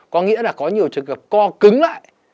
có nghĩa là có nhiều trường hợp co cứng lại